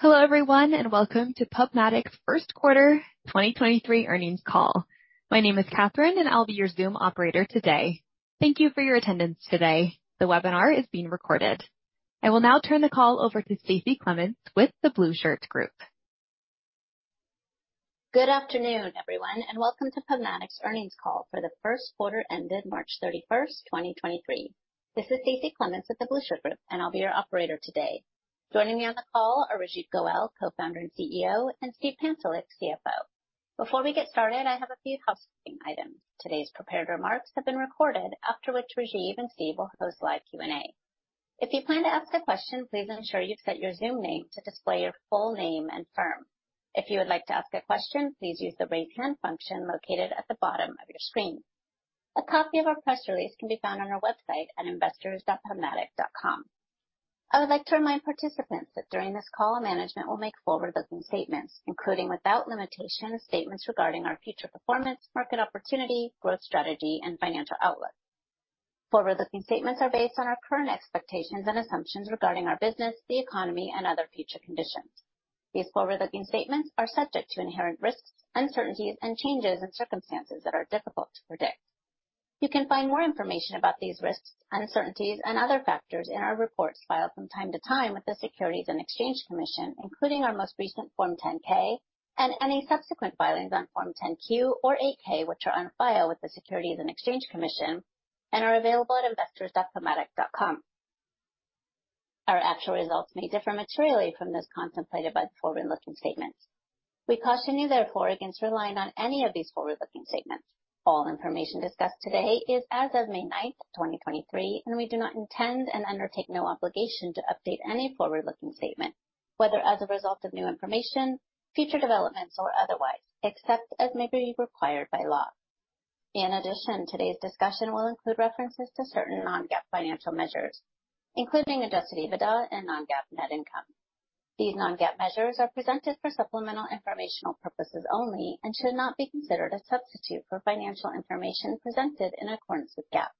Hello, everyone, and welcome to PubMatic First Quarter 2023 Earnings Call. My name is Catherine, and I'll be your Zoom operator today. Thank you for your attendance today. The webinar is being recorded. I will now turn the call over to Stacie Clements with the The Blueshirt Group. Good afternoon, everyone, welcome to PubMatic's Earnings Call for the first quarter ended March 31st, 2023. This is Stacie Clements with The Blueshirt Group, I'll be your operator today. Joining me on the call are Rajeev Goel, co-founder and CEO, Steve Pantelick, CFO. Before we get started, I have a few housekeeping items. Today's prepared remarks have been recorded, after which Rajeev and Steve will host live Q&A. If you plan to ask a question, please ensure you've set your Zoom name to display your full name and firm. If you would like to ask a question, please use the Raise Hand function located at the bottom of your screen. A copy of our press release can be found on our website at investors.pubmatic.com. I would like to remind participants that during this call, management will make forward-looking statements, including, without limitation, statements regarding our future performance, market opportunity, growth strategy, and financial outlook. Forward-looking statements are based on our current expectations and assumptions regarding our business, the economy, and other future conditions. These forward-looking statements are subject to inherent risks, uncertainties, and changes in circumstances that are difficult to predict. You can find more information about these risks, uncertainties, and other factors in our reports filed from time to time with the Securities and Exchange Commission, including our most recent Form 10-K and any subsequent filings on Form 10-Q or 8-K, which are on file with the Securities and Exchange Commission and are available at investors.pubmatic.com. Our actual results may differ materially from those contemplated by the forward-looking statements. We caution you, therefore, against relying on any of these forward-looking statements. All information discussed today is as of May 9, 2023. We do not intend and undertake no obligation to update any forward-looking statement, whether as a result of new information, future developments, or otherwise, except as may be required by law. In addition, today's discussion will include references to certain non-GAAP financial measures, including adjusted EBITDA and non-GAAP net income. These non-GAAP measures are presented for supplemental informational purposes only and should not be considered a substitute for financial information presented in accordance with GAAP.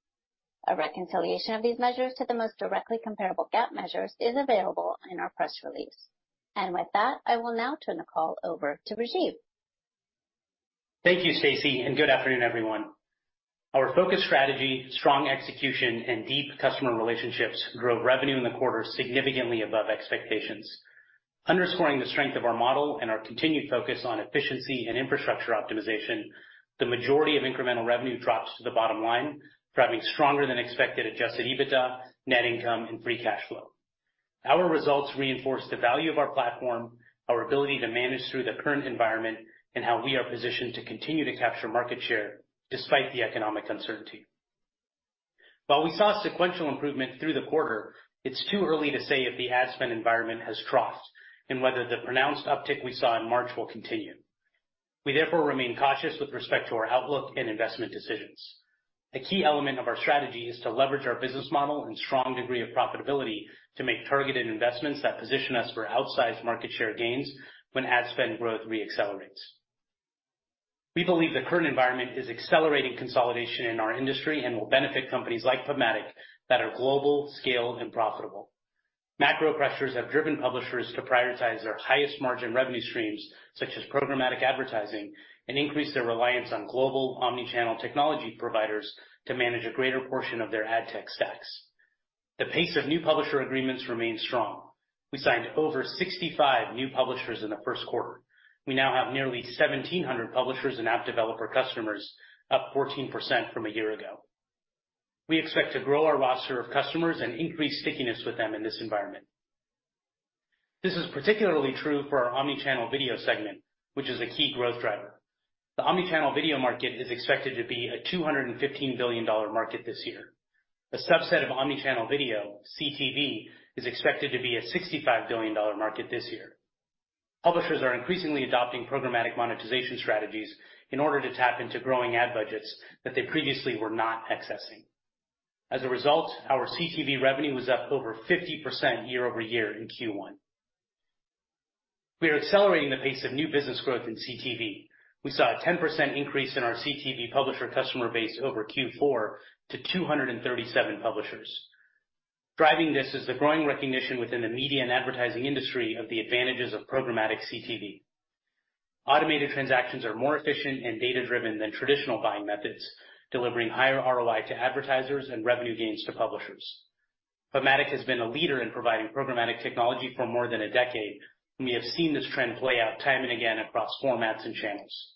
A reconciliation of these measures to the most directly comparable GAAP measures is available in our press release. With that, I will now turn the call over to Rajiv. Thank you, Stacie, good afternoon, everyone. Our focused strategy, strong execution, and deep customer relationships drove revenue in the quarter significantly above expectations. Underscoring the strength of our model and our continued focus on efficiency and infrastructure optimization, the majority of incremental revenue drops to the bottom line, driving stronger than expected adjusted EBITDA, net income, and free cash flow. Our results reinforce the value of our platform, our ability to manage through the current environment, and how we are positioned to continue to capture market share despite the economic uncertainty. We saw sequential improvement through the quarter, it's too early to say if the ad spend environment has crossed and whether the pronounced uptick we saw in March will continue. We therefore remain cautious with respect to our outlook and investment decisions. A key element of our strategy is to leverage our business model and strong degree of profitability to make targeted investments that position us for outsized market share gains when ad spend growth re-accelerates. We believe the current environment is accelerating consolidation in our industry and will benefit companies like PubMatic that are global, scaled, and profitable. Macro pressures have driven publishers to prioritize their highest margin revenue streams, such as programmatic advertising, and increase their reliance on global omni-channel technology providers to manage a greater portion of their ad tech stacks. The pace of new publisher agreements remains strong. We signed over 65 new publishers in the first quarter. We now have nearly 1,700 publishers and app developer customers, up 14% from a year ago. We expect to grow our roster of customers and increase stickiness with them in this environment. This is particularly true for our omnichannel video segment, which is a key growth driver. The omnichannel video market is expected to be a $215 billion market this year. A subset of omnichannel video, CTV, is expected to be a $65 billion market this year. Publishers are increasingly adopting programmatic monetization strategies in order to tap into growing ad budgets that they previously were not accessing. As a result, our CTV revenue was up over 50% year-over-year in Q1. We are accelerating the pace of new business growth in CTV. We saw a 10% increase in our CTV publisher customer base over Q4 to 237 publishers. Driving this is the growing recognition within the media and advertising industry of the advantages of programmatic CTV. Automated transactions are more efficient and data-driven than traditional buying methods, delivering higher ROI to advertisers and revenue gains to publishers. PubMatic has been a leader in providing programmatic technology for more than a decade. We have seen this trend play out time and again across formats and channels.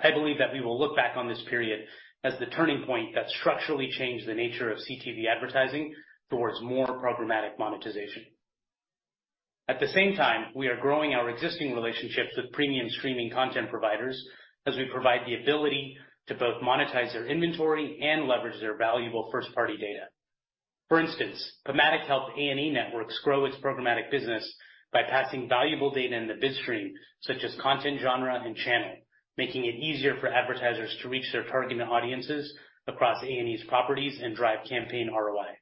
I believe that we will look back on this period as the turning point that structurally changed the nature of CTV advertising towards more programmatic monetization. At the same time, we are growing our existing relationships with premium streaming content providers as we provide the ability to both monetize their inventory and leverage their valuable first-party data. For instance, PubMatic helped A+E Networks grow its programmatic business by passing valuable data in the bid stream, such as content genre and channel, making it easier for advertisers to reach their targeted audiences across A+E's properties and drive campaign ROI.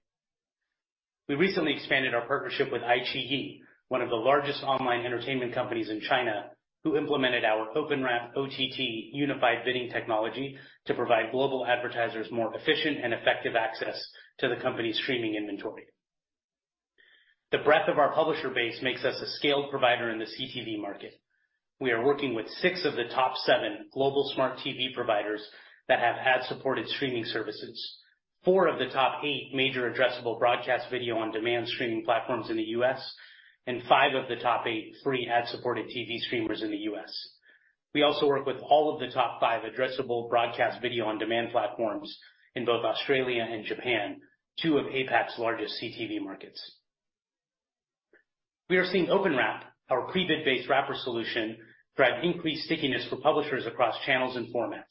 We recently expanded our partnership with iQiyi, one of the largest online entertainment companies in China, who implemented our OpenWrap OTT unified bidding technology to provide global advertisers more efficient and effective access to the company's streaming inventory. The breadth of our publisher base makes us a scaled provider in the CTV market. We are working with 6 of the top 7 global smart TV providers that have ad-supported streaming services, 4 of the top 8 major addressable broadcast video on-demand streaming platforms in the U.S., and 5 of the top 8 free ad-supported TV streamers in the U.S. We also work with all of the top 5 addressable broadcast video on-demand platforms in both Australia and Japan, two of APAC's largest CTV markets. We are seeing OpenWrap, our Prebid based wrapper solution, drive increased stickiness for publishers across channels and formats.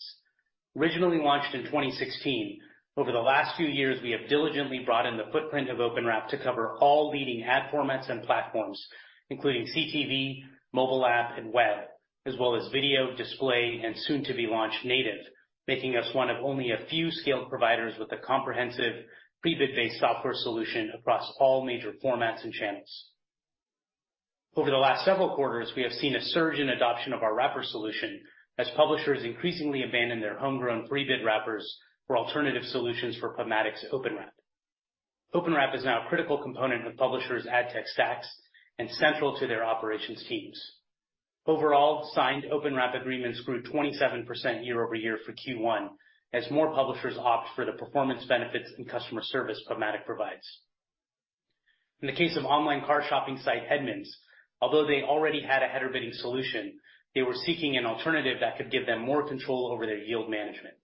Originally launched in 2016, over the last few years, we have diligently broadened the footprint of OpenWrap to cover all leading ad formats and platforms, including CTV, mobile app, and web, as well as video, display, and soon to be launched native, making us one of only a few scaled providers with a comprehensive pre-bid based software solution across all major formats and channels. Over the last several quarters, we have seen a surge in adoption of our wrapper solution as publishers increasingly abandon their homegrown pre-bid wrappers for alternative solutions for PubMatic's OpenWrap. OpenWrap is now a critical component of publishers' ad tech stacks and central to their operations teams. Signed OpenWrap agreements grew 27% year-over-year for Q1, as more publishers opt for the performance benefits and customer service PubMatic provides. In the case of online car shopping site Edmunds, although they already had a header bidding solution, they were seeking an alternative that could give them more control over their yield management.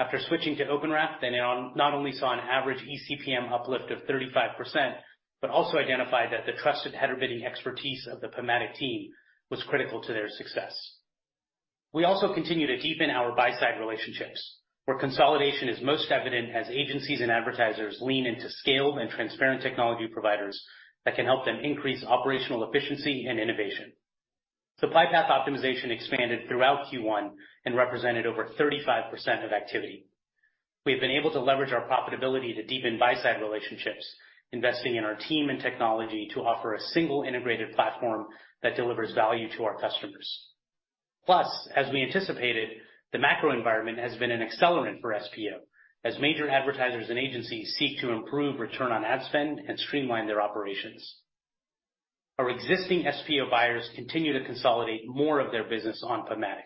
After switching to OpenWrap, they not only saw an average eCPM uplift of 35%, but also identified that the trusted header bidding expertise of the PubMatic team was critical to their success. We also continue to deepen our buy-side relationships, where consolidation is most evident as agencies and advertisers lean into scaled and transparent technology providers that can help them increase operational efficiency and innovation. Supply path optimization expanded throughout Q1 and represented over 35% of activity. We've been able to leverage our profitability to deepen buy-side relationships, investing in our team and technology to offer a single integrated platform that delivers value to our customers. As we anticipated, the macro environment has been an accelerant for SPO, as major advertisers and agencies seek to improve return on ad spend and streamline their operations. Our existing SPO buyers continue to consolidate more of their business on PubMatic.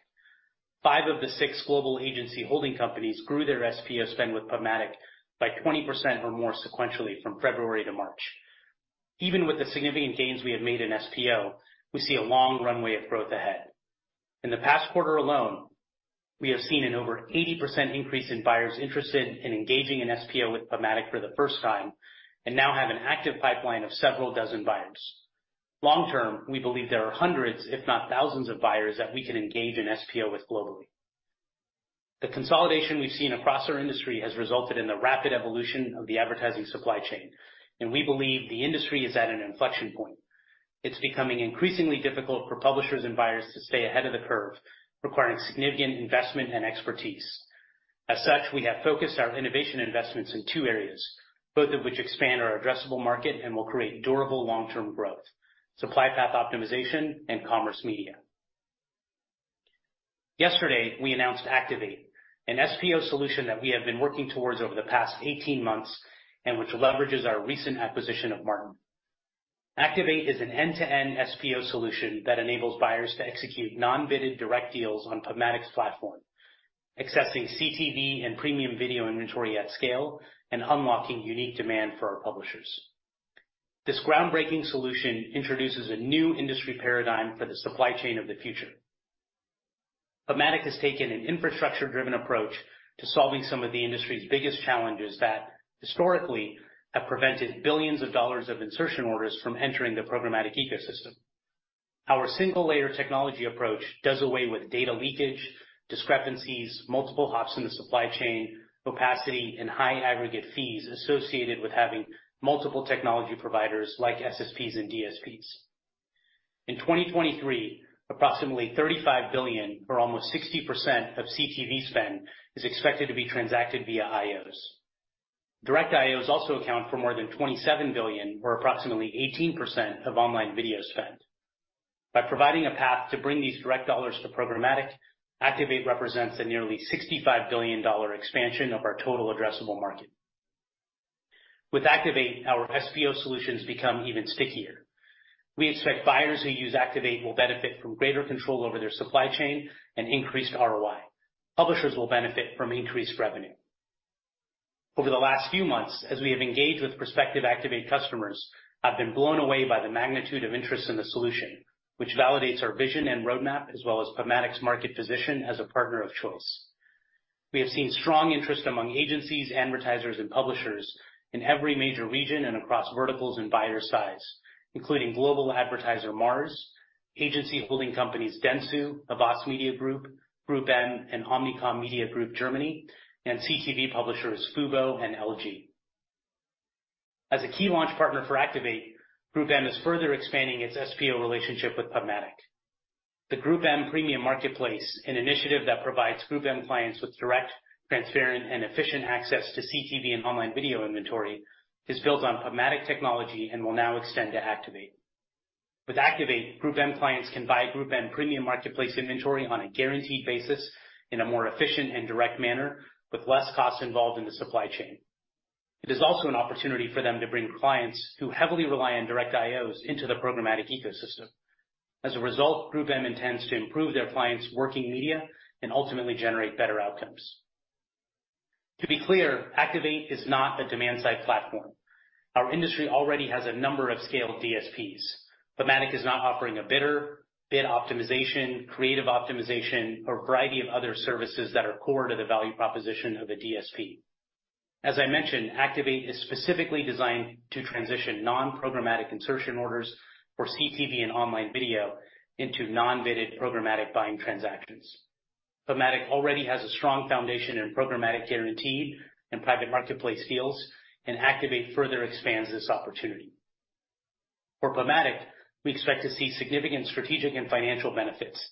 5 of the 6 global agency holding companies grew their SPO spend with PubMatic by 20% or more sequentially from February to March. Even with the significant gains we have made in SPO, we see a long runway of growth ahead. In the past quarter alone, we have seen an over 80% increase in buyers interested in engaging in SPO with PubMatic for the first time and now have an active pipeline of several dozen buyers. Long term, we believe there are hundreds, if not thousands, of buyers that we can engage in SPO with globally. The consolidation we've seen across our industry has resulted in the rapid evolution of the advertising supply chain. We believe the industry is at an inflection point. It's becoming increasingly difficult for publishers and buyers to stay ahead of the curve, requiring significant investment and expertise. As such, we have focused our innovation investments in two areas, both of which expand our addressable market and will create durable long-term growth: supply path optimization and commerce media. Yesterday, we announced Activate, an SPO solution that we have been working towards over the past 18 months and which leverages our recent acquisition of Martin. Activate is an end-to-end SPO solution that enables buyers to execute non-bidded direct deals on PubMatic's platform, accessing CTV and premium video inventory at scale and unlocking unique demand for our publishers. This groundbreaking solution introduces a new industry paradigm for the supply chain of the future. PubMatic has taken an infrastructure-driven approach to solving some of the industry's biggest challenges that historically have prevented billions of dollars of insertion orders from entering the programmatic ecosystem. Our single-layer technology approach does away with data leakage, discrepancies, multiple hops in the supply chain, opacity, and high aggregate fees associated with having multiple technology providers like SSPs and DSPs. In 2023, approximately $35 billion, or almost 60% of CTV spend, is expected to be transacted via IOs. Direct IOs also account for more than $27 billion, or approximately 18% of online video spend. By providing a path to bring these direct dollars to programmatic, Activate represents a nearly $65 billion expansion of our total addressable market. With Activate, our SPO solutions become even stickier. We expect buyers who use Activate will benefit from greater control over their supply chain and increased ROI. Publishers will benefit from increased revenue. Over the last few months, as we have engaged with prospective Activate customers, I've been blown away by the magnitude of interest in the solution, which validates our vision and roadmap, as well as PubMatic's market position as a partner of choice. We have seen strong interest among agencies, advertisers, and publishers in every major region and across verticals and buyer size, including global advertiser Mars, agency holding companies Dentsu, Havas Media Group, GroupM, and Omnicom Media Group Germany, and CTV publishers Fubo and LG. As a key launch partner for Activate, GroupM is further expanding its SPO relationship with PubMatic. The GroupM Premium Marketplace, an initiative that provides GroupM clients with direct, transparent, and efficient access to CTV and online video inventory, is built on PubMatic technology and will now extend to Activate. With Activate, GroupM clients can buy GroupM Premium Marketplace inventory on a guaranteed basis in a more efficient and direct manner, with less cost involved in the supply chain. It is also an opportunity for them to bring clients who heavily rely on direct IOs into the programmatic ecosystem. As a result, GroupM intends to improve their clients' working media and ultimately generate better outcomes. To be clear, Activate is not a demand-side platform. Our industry already has a number of scaled DSPs. PubMatic is not offering a bidder, bid optimization, creative optimization, or a variety of other services that are core to the value proposition of a DSP. As I mentioned, Activate is specifically designed to transition non-programmatic insertion orders for CTV and online video into non-bidded programmatic buying transactions. PubMatic already has a strong foundation in programmatic guaranteed and private marketplace deals. Activate further expands this opportunity. For PubMatic, we expect to see significant strategic and financial benefits,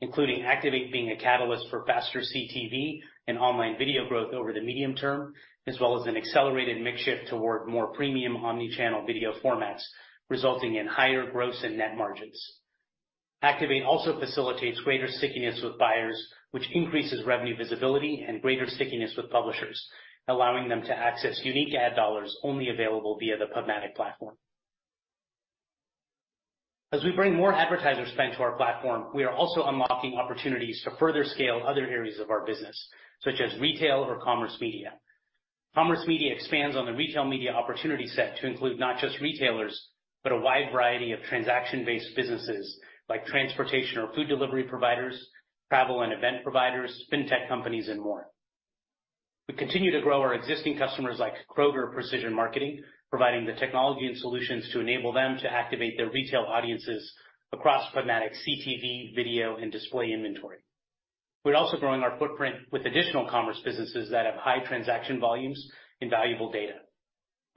including Activate being a catalyst for faster CTV and online video growth over the medium term, as well as an accelerated mix shift toward more premium omnichannel video formats, resulting in higher gross and net margins. Activate also facilitates greater stickiness with buyers, which increases revenue visibility and greater stickiness with publishers, allowing them to access unique ad dollars only available via the PubMatic platform. As we bring more advertiser spend to our platform, we are also unlocking opportunities to further scale other areas of our business, such as retail or commerce media. Commerce media expands on the retail media opportunity set to include not just retailers, but a wide variety of transaction-based businesses like transportation or food delivery providers, travel and event providers, fintech companies, and more. We continue to grow our existing customers like Kroger Precision Marketing, providing the technology and solutions to enable them to activate their retail audiences across PubMatic's CTV, video, and display inventory. We're also growing our footprint with additional commerce businesses that have high transaction volumes and valuable data.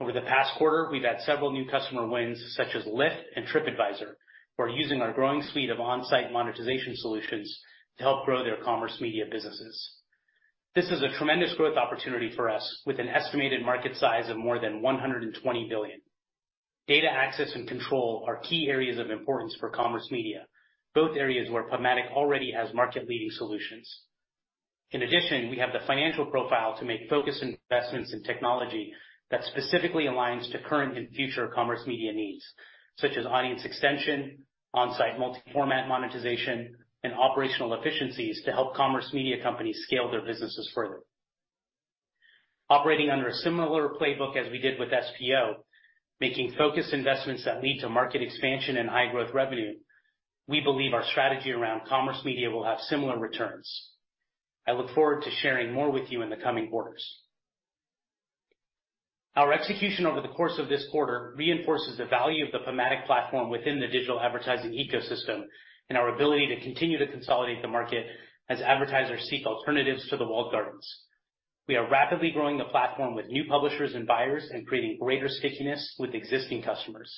Over the past quarter, we've had several new customer wins, such as Lyft and Tripadvisor, who are using our growing suite of on-site monetization solutions to help grow their commerce media businesses. This is a tremendous growth opportunity for us with an estimated market size of more than $120 billion. Data access and control are key areas of importance for commerce media, both areas where PubMatic already has market-leading solutions. In addition, we have the financial profile to make focused investments in technology that specifically aligns to current and future commerce media needs, such as audience extension, on-site multi-format monetization, and operational efficiencies to help commerce media companies scale their businesses further. Operating under a similar playbook as we did with SPO, making focused investments that lead to market expansion and high-growth revenue, we believe our strategy around commerce media will have similar returns. I look forward to sharing more with you in the coming quarters. Our execution over the course of this quarter reinforces the value of the PubMatic platform within the digital advertising ecosystem and our ability to continue to consolidate the market as advertisers seek alternatives to the walled gardens. We are rapidly growing the platform with new publishers and buyers and creating greater stickiness with existing customers.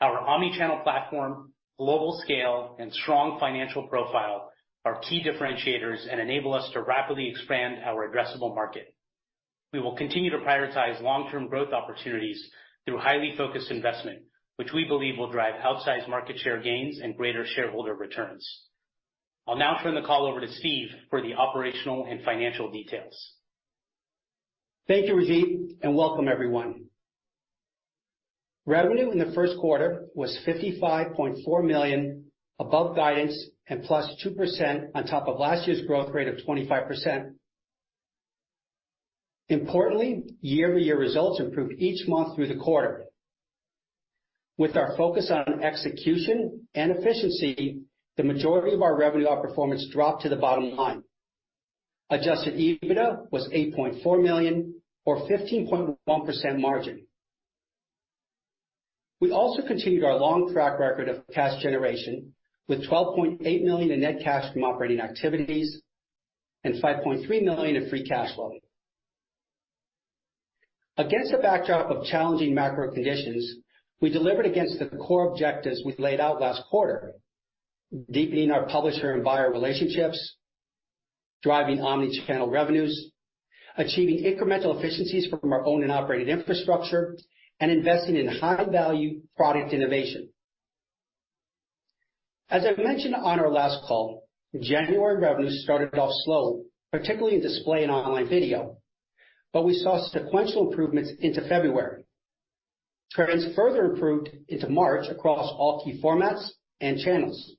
Our omnichannel platform, global scale, and strong financial profile are key differentiators and enable us to rapidly expand our addressable market. We will continue to prioritize long-term growth opportunities through highly focused investment, which we believe will drive outsized market share gains and greater shareholder returns. I'll now turn the call over to Steve for the operational and financial details. Thank you, Rajeev, and welcome everyone. Revenue in the first quarter was $55.4 million, above guidance and +2% on top of last year's growth rate of 25%. Importantly, year-over-year results improved each month through the quarter. With our focus on execution and efficiency, the majority of our revenue outperformance dropped to the bottom line. adjusted EBITDA was $8.4 million or 15.1% margin. We also continued our long track record of cash generation with $12.8 million in net cash from operating activities and $5.3 million in free cash flow. Against a backdrop of challenging macro conditions, we delivered against the core objectives we laid out last quarter, deepening our publisher and buyer relationships, driving omni-channel revenues, achieving incremental efficiencies from our own and operated infrastructure, and investing in high-value product innovation. As I mentioned on our last call, January revenues started off slow, particularly in display and online video. We saw sequential improvements into February. Trends further improved into March across all key formats and channels.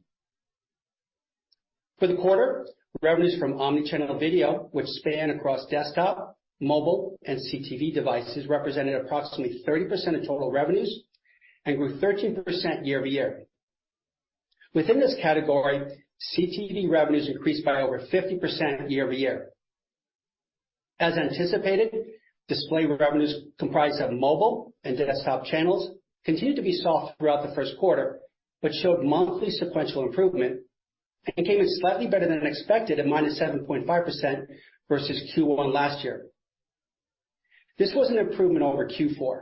For the quarter, revenues from omnichannel video, which span across desktop, mobile, and CTV devices, represented approximately 30% of total revenues and grew 13% year-over-year. Within this category, CTV revenues increased by over 50% year-over-year. As anticipated, display revenues comprised of mobile and desktop channels continued to be soft throughout the first quarter. Showed monthly sequential improvement and came in slightly better than expected at -7.5% versus Q1 last year. This was an improvement over Q4.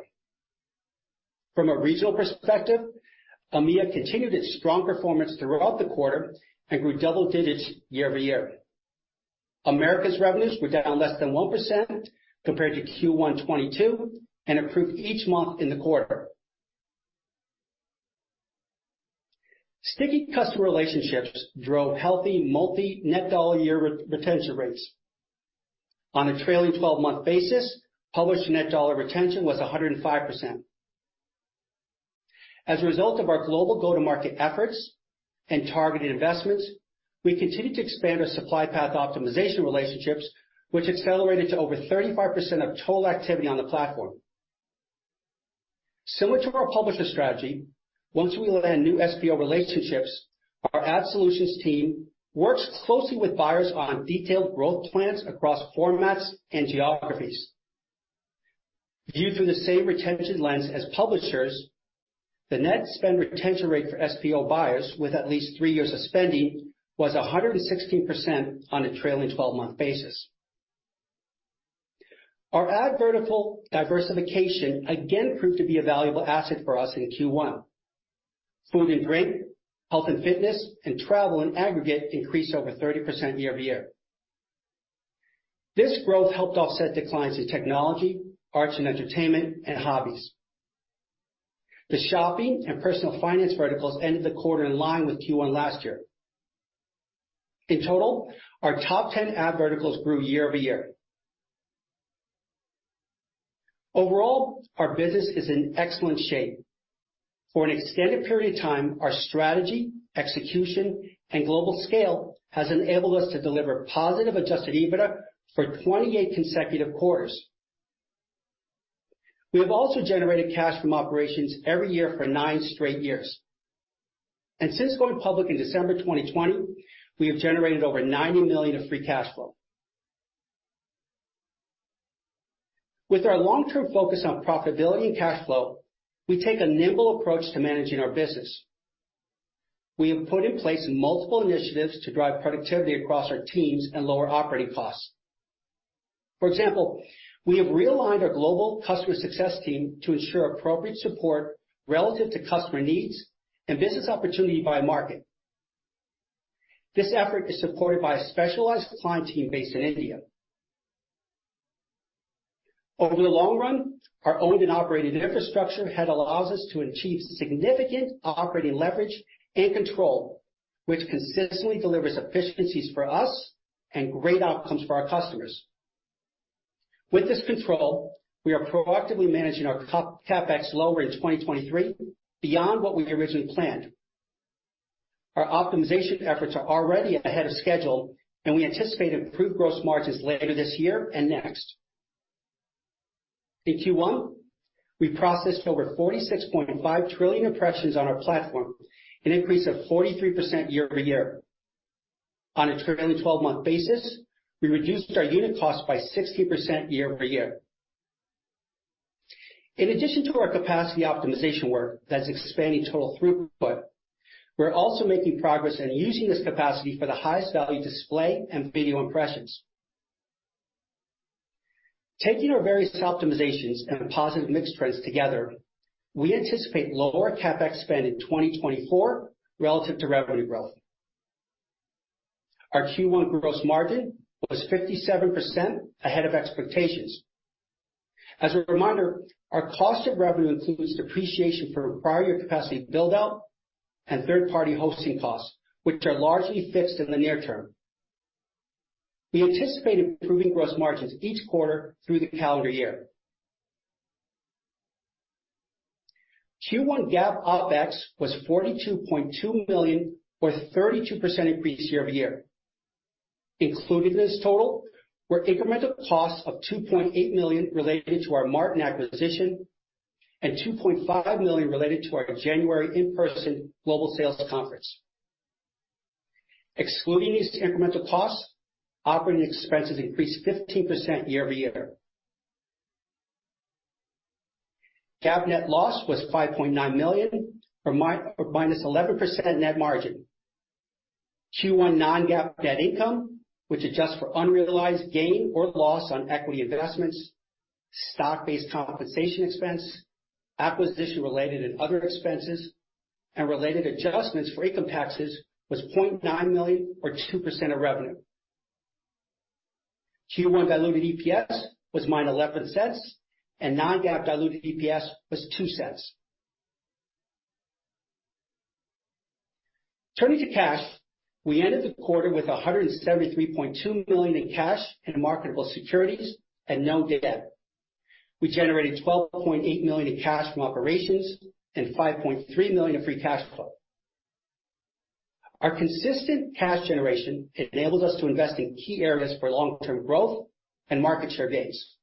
From a regional perspective, EMEA continued its strong performance throughout the quarter and grew double digits year-over-year. Americas revenues were down less than 1% compared to Q1 2022 and improved each month in the quarter. Sticky customer relationships drove healthy multi net dollar year re-retention rates. On a trailing twelve-month basis, PubMatic net dollar retention was 105%. As a result of our global go-to-market efforts and targeted investments, we continued to expand our supply path optimization relationships, which accelerated to over 35% of total activity on the platform. Similar to our publisher strategy, once we land new SPO relationships, our ad solutions team works closely with buyers on detailed growth plans across formats and geographies. Viewed through the same retention lens as publishers, the net spend retention rate for SPO buyers with at least three years of spending was 116% on a trailing twelve-month basis. Our ad vertical diversification again proved to be a valuable asset for us in Q1. Food and drink, health and fitness, and travel in aggregate increased over 30% year-over-year. This growth helped offset declines in technology, arts and entertainment, and hobbies. The shopping and personal finance verticals ended the quarter in line with Q1 last year. In total, our top 10 ad verticals grew year-over-year. Overall, our business is in excellent shape. For an extended period of time, our strategy, execution, and global scale has enabled us to deliver positive adjusted EBITDA for 28 consecutive quarters. We have also generated cash from operations every year for 9 straight years. Since going public in December 2020, we have generated over $90 million of free cash flow. With our long-term focus on profitability and cash flow, we take a nimble approach to managing our business. We have put in place multiple initiatives to drive productivity across our teams and lower operating costs. For example, we have realigned our global customer success team to ensure appropriate support relative to customer needs and business opportunity by market. This effort is supported by a specialized client team based in India. Over the long run, our owned and operated infrastructure allows us to achieve significant operating leverage and control, which consistently delivers efficiencies for us and great outcomes for our customers. With this control, we are proactively managing our CapEx lower in 2023 beyond what we originally planned. Our optimization efforts are already ahead of schedule. We anticipate improved gross margins later this year and next. In Q1, we processed over 46.5 trillion impressions on our platform, an increase of 43% year-over-year. On a trailing 12-month basis, we reduced our unit cost by 60% year-over-year. In addition to our capacity optimization work that's expanding total throughput, we're also making progress in using this capacity for the highest value display and video impressions. Taking our various optimizations and positive mix trends together, we anticipate lower CapEx spend in 2024 relative to revenue growth. Our Q1 gross margin was 57% ahead of expectations. As a reminder, our cost of revenue includes depreciation for prior capacity build-out and third-party hosting costs, which are largely fixed in the near term. We anticipate improving gross margins each quarter through the calendar year. Q1 GAAP OpEx was $42.2 million, or a 32% increase year-over-year. Included in this total were incremental costs of $2.8 million related to our Martin acquisition and $2.5 million related to our January in-person global sales conference. Excluding these incremental costs, operating expenses increased 15% year-over-year. GAAP net loss was $5.9 million, or -11% net margin. Q1 non-GAAP net income, which adjusts for unrealized gain or loss on equity investments, stock-based compensation expense, acquisition-related and other expenses, and related adjustments for income taxes, was $0.9 million or 2% of revenue. Q1 diluted EPS was -$0.11, and non-GAAP diluted EPS was $0.02. Turning to cash, we ended the quarter with $173.2 million in cash and marketable securities and no debt. We generated $12.8 million in cash from operations and $5.3 million in free cash flow. Our consistent cash generation enables us to invest in key areas for long-term growth and market share gains.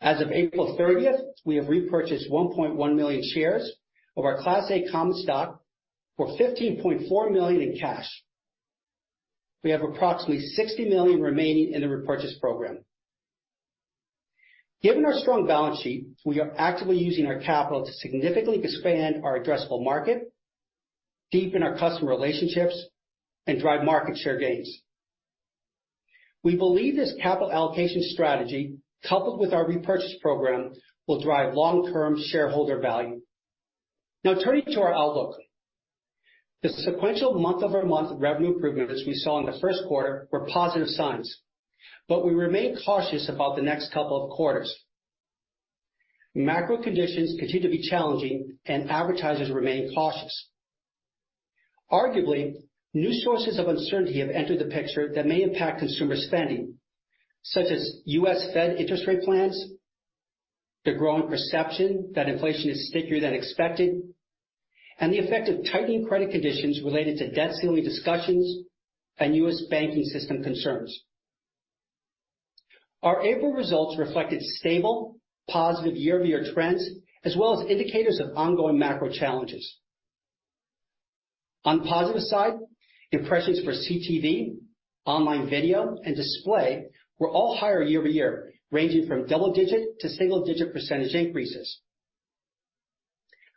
As of April 30th, we have repurchased 1.1 million shares of our Class A common stock for $15.4 million in cash. We have approximately $60 million remaining in the repurchase program. Given our strong balance sheet, we are actively using our capital to significantly expand our addressable market, deepen our customer relationships, and drive market share gains. We believe this capital allocation strategy, coupled with our repurchase program, will drive long-term shareholder value. Now turning to our outlook. The sequential month-over-month revenue improvements we saw in the first quarter were positive signs, but we remain cautious about the next couple of quarters. Macro conditions continue to be challenging, and advertisers remain cautious. Arguably, new sources of uncertainty have entered the picture that may impact consumer spending, such as US Fed interest rate plans, the growing perception that inflation is stickier than expected, and the effect of tightening credit conditions related to debt ceiling discussions and US banking system concerns. Our April results reflected stable, positive year-over-year trends, as well as indicators of ongoing macro challenges. On positive side, impressions for CTV, online video, and display were all higher year-over-year, ranging from double-digit to single-digit percentage increases.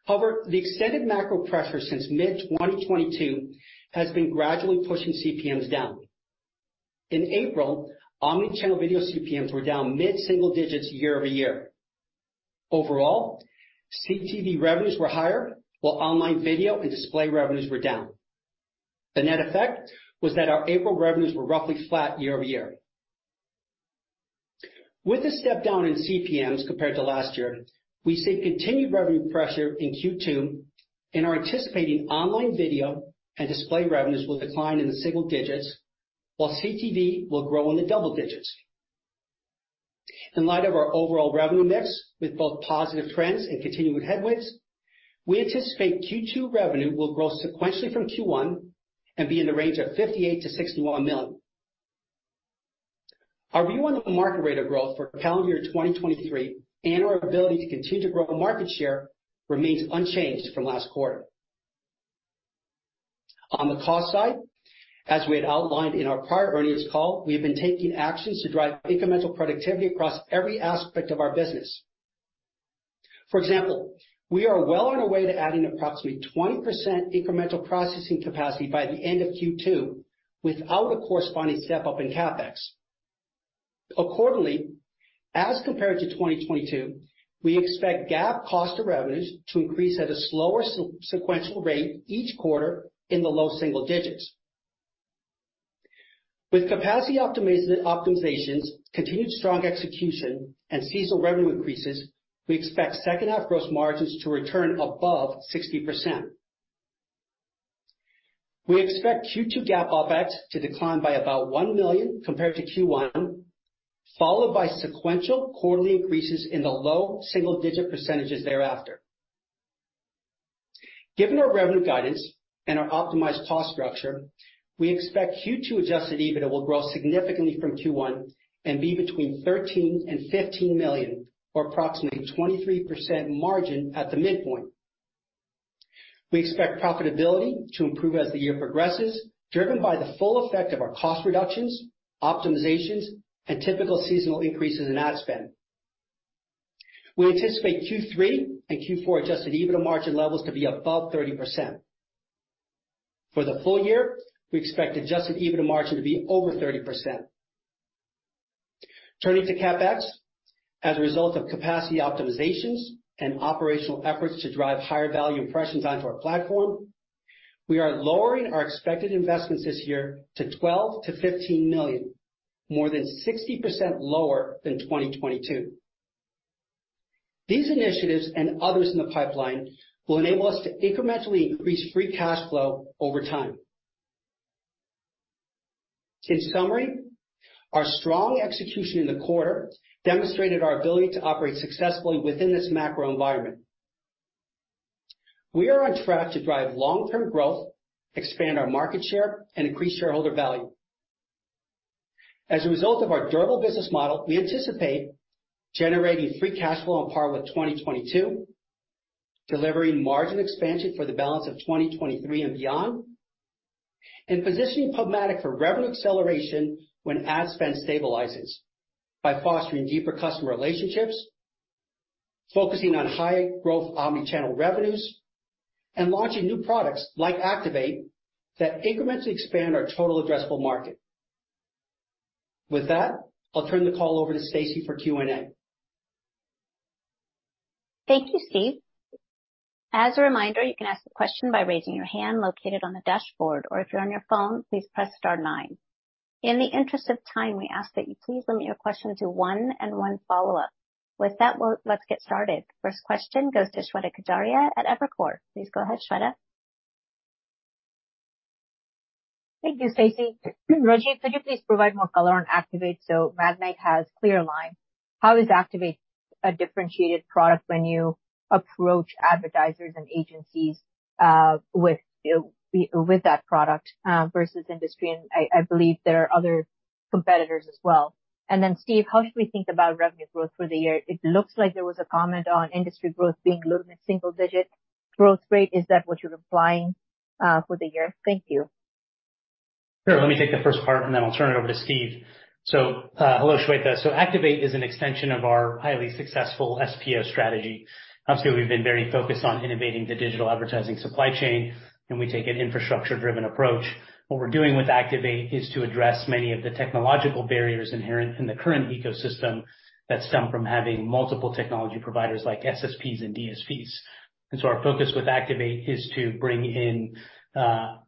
However, the extended macro pressure since mid-2022 has been gradually pushing CPMs down. In April, omnichannel video CPMs were down mid-single digits year-over-year. Overall, CTV revenues were higher, while online video and display revenues were down. The net effect was that our April revenues were roughly flat year-over-year. With the step down in CPMs compared to last year, we see continued revenue pressure in Q2 and are anticipating online video and display revenues will decline in the single digits, while CTV will grow in the double digits. In light of our overall revenue mix with both positive trends and continuing headwinds, we anticipate Q2 revenue will grow sequentially from Q1 and be in the range of $58 million-$61 million. Our view on the market rate of growth for calendar year 2023 and our ability to continue to grow market share remains unchanged from last quarter. On the cost side, as we had outlined in our prior earnings call, we have been taking actions to drive incremental productivity across every aspect of our business. For example, we are well on our way to adding approximately 20% incremental processing capacity by the end of Q2 without a corresponding step-up in CapEx. Accordingly, as compared to 2022, we expect GAAP cost of revenues to increase at a slower sequential rate each quarter in the low single digits. With capacity optimizations, continued strong execution, and seasonal revenue increases, we expect second half gross margins to return above 60%. We expect Q2 GAAP OpEx to decline by about $1 million compared to Q1, followed by sequential quarterly increases in the low single-digit percentages thereafter. Given our revenue guidance and our optimized cost structure, we expect Q2 adjusted EBITDA will grow significantly from Q1 and be between $13 million and $15 million, or approximately 23% margin at the midpoint. We expect profitability to improve as the year progresses, driven by the full effect of our cost reductions, optimizations, and typical seasonal increases in ad spend. We anticipate Q3 and Q4 adjusted EBITDA margin levels to be above 30%. For the full year, we expect adjusted EBITDA margin to be over 30%. Turning to CapEx. As a result of capacity optimizations and operational efforts to drive higher value impressions onto our platform, we are lowering our expected investments this year to $12 million-$15 million, more than 60% lower than 2022. These initiatives and others in the pipeline will enable us to incrementally increase free cash flow over time. In summary, our strong execution in the quarter demonstrated our ability to operate successfully within this macro environment. We are on track to drive long-term growth, expand our market share, and increase shareholder value. As a result of our durable business model, we anticipate generating free cash flow on par with 2022, delivering margin expansion for the balance of 2023 and beyond, and positioning PubMatic for revenue acceleration when ad spend stabilizes by fostering deeper customer relationships, focusing on high growth omnichannel revenues, and launching new products like Activate that incrementally expand our total addressable market. With that, I'll turn the call over to Stacie for Q&A. Thank you, Steve. As a reminder, you can ask a question by raising your hand located on the dashboard, or if you're on your phone, please press star nine. In the interest of time, we ask that you please limit your question to one and onefollow-up. With that, let's get started. First question goes to Shweta Khajuria at Evercore. Please go ahead, Shweta. Thank you, Stacie. Rajeev, could you please provide more color on Activate so Magnite has ClearLine? How is Activate a differentiated product when you approach advertisers and agencies with that product versus industry? I believe there are other competitors as well. Then Steve, how should we think about revenue growth for the year? It looks like there was a comment on industry growth being low to mid-single digit growth rate. Is that what you're implying for the year? Thank you. Sure. Let me take the first part, and then I'll turn it over to Steve. Hello, Shweta. Activate is an extension of our highly successful SPO strategy. Obviously, we've been very focused on innovating the digital advertising supply chain, and we take an infrastructure-driven approach. What we're doing with Activate is to address many of the technological barriers inherent in the current ecosystem that stem from having multiple technology providers like SSPs and DSPs. Our focus with Activate is to bring in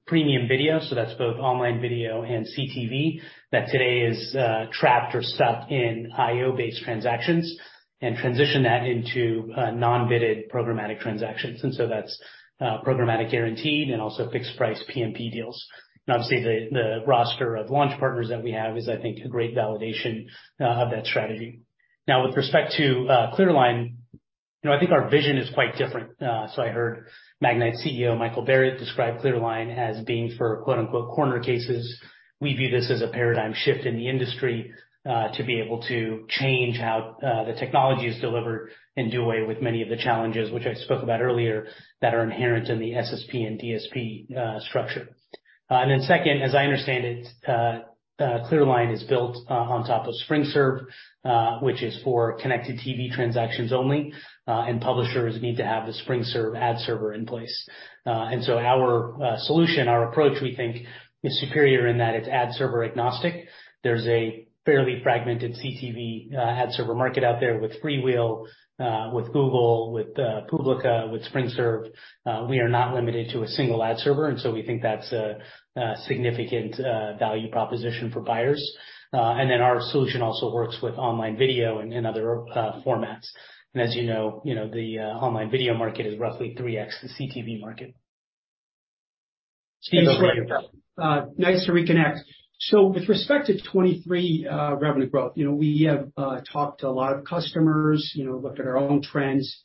premium video, so that's both online video and CTV, that today is trapped or stuck in IO-based transactions and transition that into non-bidded programmatic transactions. That's programmatic guaranteed and also fixed price PMP deals. Obviously, the roster of launch partners that we have is, I think, a great validation of that strategy. With respect to ClearLine, you know, I think our vision is quite different. I heard Magnite CEO, Michael Barrett, describe ClearLine as being for, quote-unquote, corner cases. We view this as a paradigm shift in the industry, to be able to change how the technology is delivered and do away with many of the challenges which I spoke about earlier that are inherent in the SSP and DSP structure. Second, as I understand it, ClearLine is built on top of SpringServe, which is for connected TV transactions only, and publishers need to have the SpringServe ad server in place. Our solution, our approach, we think, is superior in that it's ad server agnostic. There's a fairly fragmented CTV ad server market out there with FreeWheel, with Google, with Publica, with SpringServe. We are not limited to a single ad server, so we think that's a significant value proposition for buyers. Then our solution also works with online video and other formats. As you know, you know, the online video market is roughly 3x the CTV market. Steve, Nice to reconnect. With respect to 2023 revenue growth, you know, we have talked to a lot of customers, you know, looked at our own trends,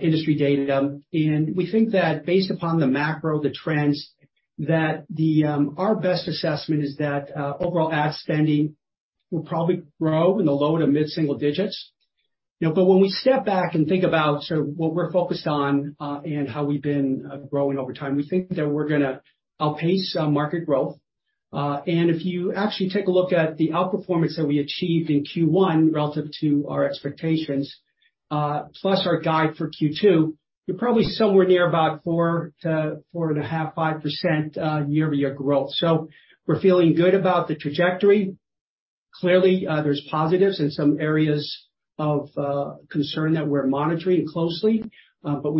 industry data, and we think that based upon the macro, the trends, that our best assessment is that overall ad spending will probably grow in the low to mid-single digits. When we step back and think about sort of what we're focused on, and how we've been growing over time, we think that we're gonna outpace market growth. If you actually take a look at the outperformance that we achieved in Q1 relative to our expectations, plus our guide for Q2, you're probably somewhere near about 4%-4.5%, 5% year-over-year growth. We're feeling good about the trajectory. Clearly, there's positives and some areas of concern that we're monitoring closely, but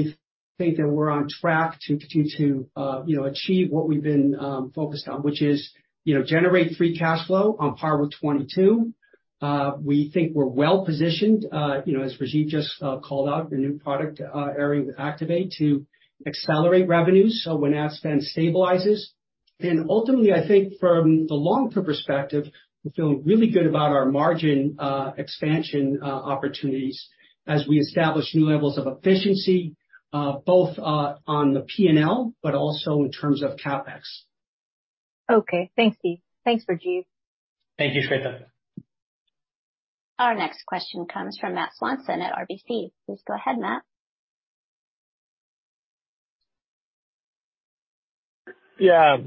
we think that we're on track to continue to, you know, achieve what we've been focused on, which is, you know, generate free cash flow on par with 2022. We think we're well positioned, you know, as Rajiv just called out, the new product area with Activate to accelerate revenues, so when ad spend stabilizes. Ultimately, I think from the long-term perspective, we're feeling really good about our margin expansion opportunities as we establish new levels of efficiency, both on the P&L, but also in terms of CapEx. Okay. Thanks, Steve. Thanks, Rajeev. Thank you, Shweta. Our next question comes from Matt Swanson at RBC. Please go ahead, Matt.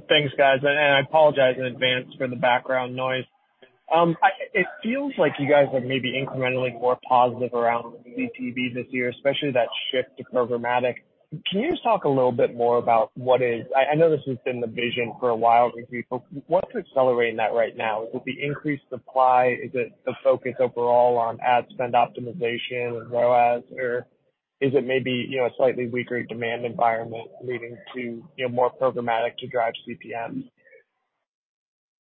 Thanks, guys. I apologize in advance for the background noise. It feels like you guys are maybe incrementally more positive around CTV this year, especially that shift to programmatic. Can you just talk a little bit more about I know this has been the vision for a while, Rajiv, but what's accelerating that right now? Is it the increased supply? Is it the focus overall on ad spend optimization and ROAS, or is it maybe, you know, a slightly weaker demand environment leading to, you know, more programmatic to drive CPMs?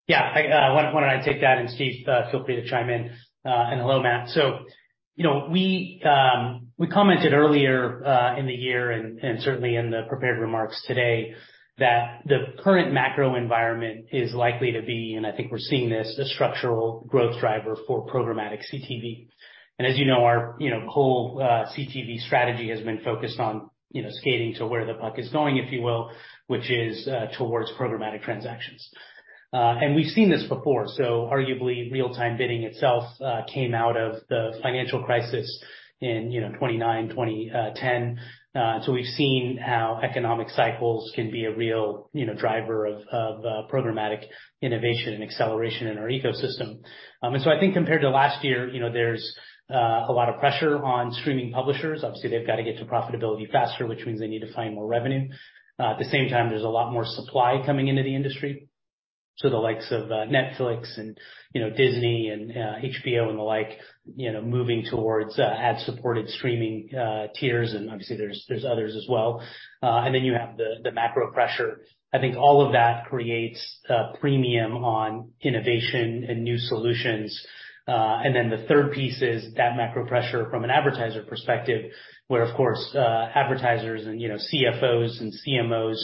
Yeah. I, why don't I take that, and Steve, feel free to chime in. Hello, Matt. You know, we commented earlier in the year and certainly in the prepared remarks today that the current macro environment is likely to be, and I think we're seeing this, a structural growth driver for programmatic CTV. As you know, our, you know, whole CTV strategy has been focused on, you know, skating to where the puck is going, if you will, which is towards programmatic transactions. We've seen this before. Arguably, real-time bidding itself came out of the financial crisis in, you know, 1929, 2010. We've seen how economic cycles can be a real, you know, driver of programmatic innovation and acceleration in our ecosystem. I think compared to last year, you know, there's a lot of pressure on streaming publishers. Obviously, they've got to get to profitability faster, which means they need to find more revenue. At the same time, there's a lot more supply coming into the industry. The likes of Netflix and, you know, Disney and HBO and the like, you know, moving towards ad-supported streaming tiers, and obviously there's others as well. You have the macro pressure. I think all of that creates a premium on innovation and new solutions. The third piece is that macro pressure from an advertiser perspective, where, of course, advertisers and, you know, CFOs and CMOs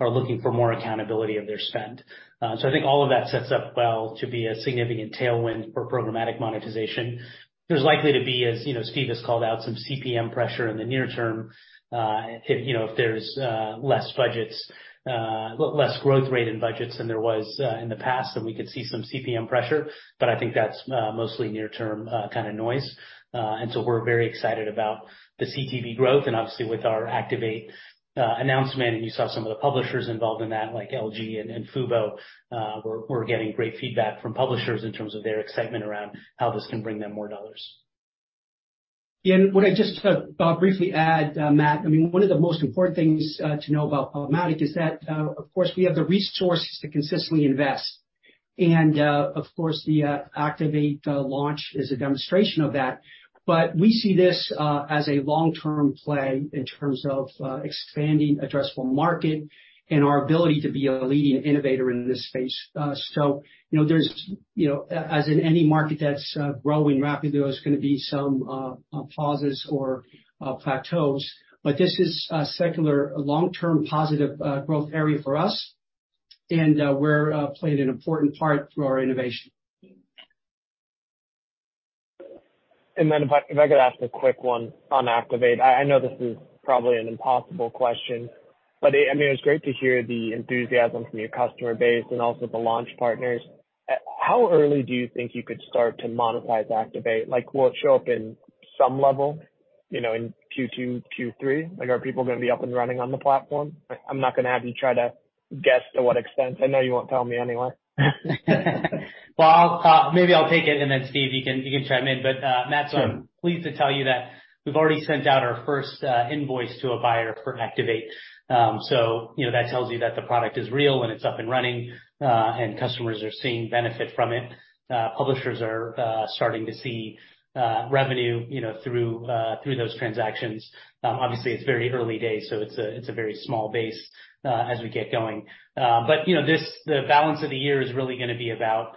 are looking for more accountability of their spend. I think all of that sets up well to be a significant tailwind for programmatic monetization. There's likely to be, as, you know, Steve has called out, some CPM pressure in the near term, if, you know, if there's less budgets, less growth rate in budgets than there was in the past, we could see some CPM pressure. I think that's mostly near-term kind of noise. We're very excited about the CTV growth, and obviously with our Activate announcement, and you saw some of the publishers involved in that, like LG and Fubo, we're getting great feedback from publishers in terms of their excitement around how this can bring them more dollars. Yeah. What I just briefly add, Matt, I mean, one of the most important things to know about programmatic is that, of course, we have the resources to consistently invest. Of course, the Activate launch is a demonstration of that. We see this as a long-term play in terms of expanding addressable market and our ability to be a leading innovator in this space. You know, there's, you know, as in any market that's growing rapidly, there's gonna be some pauses or plateaus. This is a secular long-term positive growth area for us, and we're playing an important part through our innovation. If I, if I could ask a quick one on Activate. I know this is probably an impossible question, but I mean, it's great to hear the enthusiasm from your customer base and also the launch partners. How early do you think you could start to monetize Activate? Like, will it show up in some level, you know, in Q2, Q3? Like, are people gonna be up and running on the platform? I'm not gonna have you try to guess to what extent. I know you won't tell me anyway. I'll, maybe I'll take it, and then Steve, you can, you can chime in. But, Sure. I'm pleased to tell you that we've already sent out our first invoice to a buyer for Activate. You know, that tells you that the product is real and it's up and running, and customers are seeing benefit from it. Publishers are starting to see revenue, you know, through those transactions. Obviously, it's very early days, so it's a very small base as we get going. You know, this, the balance of the year is really gonna be about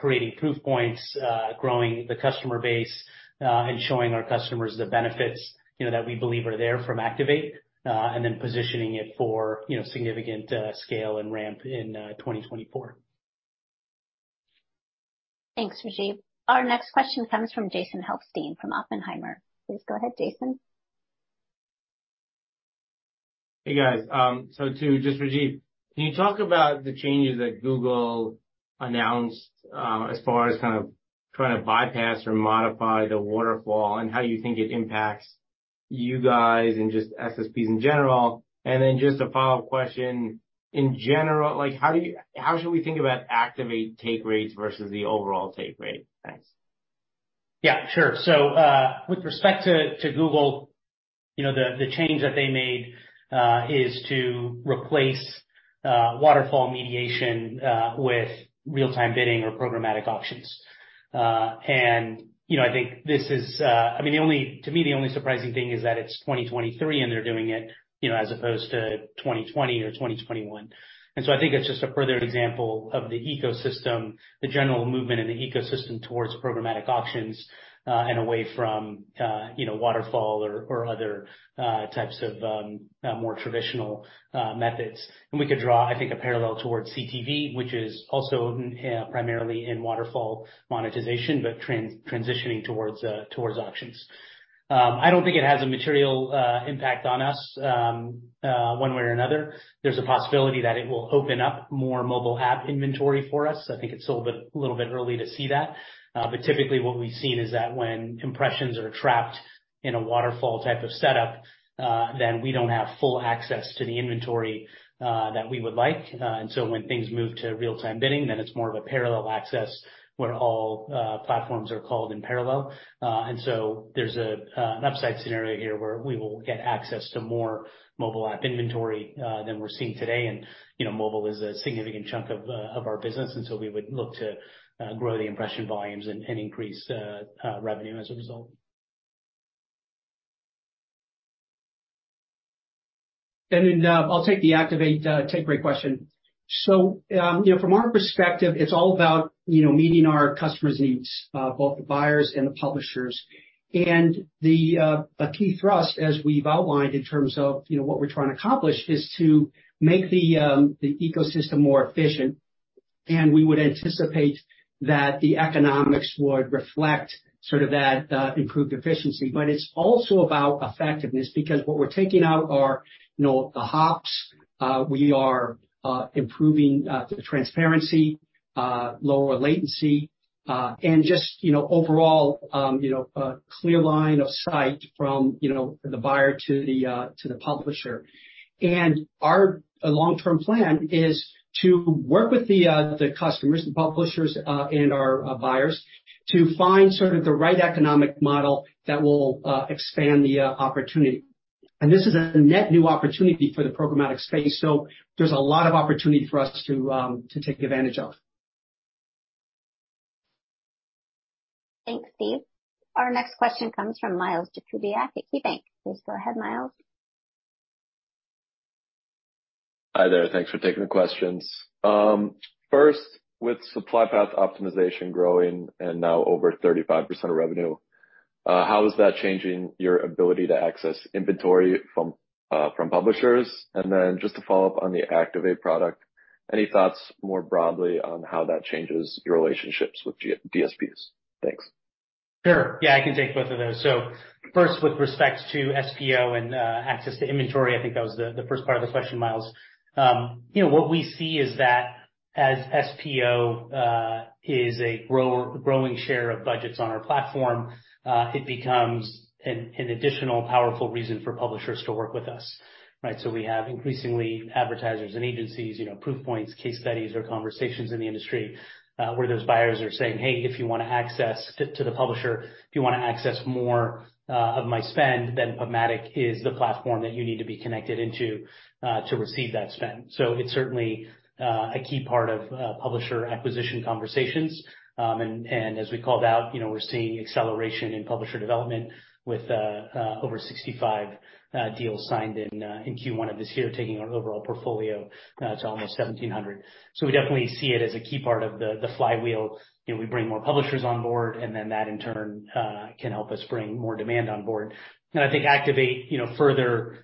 creating proof points, growing the customer base, and showing our customers the benefits, you know, that we believe are there from Activate, and then positioning it for, you know, significant scale and ramp in 2024. Thanks, Rajiv. Our next question comes from Jason Helfstein from Oppenheimer. Please go ahead, Jason. Hey, guys. Just Rajeev, can you talk about the changes that Google announced, as far as kind of trying to bypass or modify the waterfall and how you think it impacts you guys and just SSPs in general? Just a follow-up question. In general, how should we think about Activate take rates versus the overall take rate? Thanks. Yeah, sure. With respect to Google, you know, the change that they made is to replace waterfall mediation with real-time bidding or programmatic auctions. You know, I think this is I mean, to me, the only surprising thing is that it's 2023, and they're doing it, you know, as opposed to 2020 or 2021. I think it's just a further example of the ecosystem, the general movement in the ecosystem towards programmatic auctions, and away from, you know, waterfall or other types of more traditional methods. We could draw, I think, a parallel towards CTV, which is also primarily in waterfall monetization, but transitioning towards auctions. as a material impact on us one way or another. There's a possibility that it will open up more mobile app inventory for us. I think it's a little bit early to see that. But typically what we've seen is that when impressions are trapped in a waterfall type of setup, then we don't have full access to the inventory that we would like. And so when things move to real-time bidding, then it's more of a parallel access where all platforms are called in parallel. And so there's an upside scenario here where we will get access to more mobile app inventory than we're seeing today. You know, mobile is a significant chunk of our business, and so we would look to grow the impression volumes and increase revenue as a result. I'll take the Activate take rate question. From our perspective, it's all about, you know, meeting our customers' needs, both the buyers and the publishers. A key thrust as we've outlined in terms of, you know, what we're trying to accomplish is to make the ecosystem more efficient. We would anticipate that the economics would reflect sort of that improved efficiency. It's also about effectiveness because what we're taking out are, you know, the hops. We are improving the transparency, lower latency, and just, you know, overall, a clear line of sight from, you know, the buyer to the publisher. Our long-term plan is to work with the customers, the publishers, and our buyers to find sort of the right economic model that will expand the opportunity. This is a net new opportunity for the programmatic space, so there's a lot of opportunity for us to take advantage of. Thanks, Steve. Our next question comes from Miles Jakubiak at KeyBanc. Please go ahead, Myles. Hi, there. Thanks for taking the questions. First, with supply path optimization growing and now over 35% of revenue, how is that changing your ability to access inventory from publishers? Just to follow up on the Activate product, any thoughts more broadly on how that changes your relationships with G-DSPs? Thanks. Sure. Yeah, I can take both of those. First, with respect to SPO and access to inventory, I think that was the first part of the question, Myles. You know, what we see is that as SPO is a growing share of budgets on our platform, it becomes an additional powerful reason for publishers to work with us, right. We have increasingly advertisers and agencies, you know, proof points, case studies or conversations in the industry, where those buyers are saying, "Hey, if you wanna access," to the publisher, "If you wanna access more, of my spend, then PubMatic is the platform that you need to be connected into to receive that spend." It's certainly a key part of publisher acquisition conversations. As we called out, you know, we're seeing acceleration in publisher development with over 65 deals signed in Q1 of this year, taking our overall portfolio to almost 1,700. We definitely see it as a key part of the flywheel. You know, we bring more publishers on board, and then that in turn can help us bring more demand on board. I think Activate, you know, further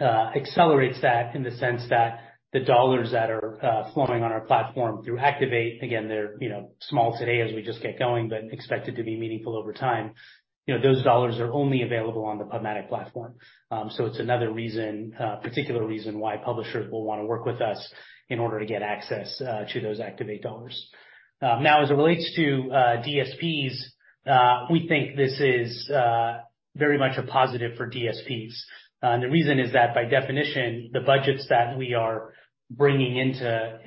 accelerates that in the sense that the dollars that are flowing on our platform through Activate, again, they're, you know, small today as we just get going, but expected to be meaningful over time. You know, those dollars are only available on the PubMatic platform. It's another reason, particular reason why publishers will wanna work with us in order to get access to those Activate dollars. Now, as it relates to DSPs, we think this is very much a positive for DSPs. The reason is that by definition, the budgets that we are bringing into